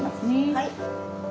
はい。